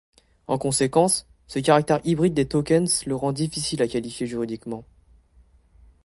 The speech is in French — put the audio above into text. En conséquence, ce caractère hybride des Tokens le rend difficile à qualifier juridiquement.